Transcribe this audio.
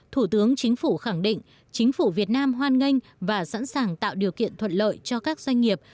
thủ tướng chính phủ khẳng định chính phủ việt nam hoan nghênh và sẵn sàng tạo điều kiện thuận lợi cho các doanh nghiệp